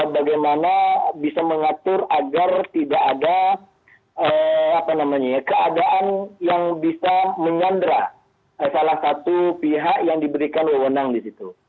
bagaimana bisa mengatur agar tidak ada keadaan yang bisa menyandra salah satu pihak yang diberikan wewenang di situ